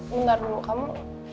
bentar dulu kamu